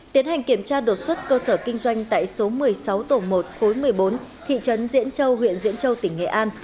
tiến hành kiểm tra đột xuất cơ sở kinh doanh tại số một mươi sáu tổ một khối một mươi bốn thị trấn diễn châu huyện diễn châu tỉnh nghệ an